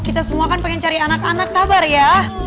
kita semua kan pengen cari anak anak sabar ya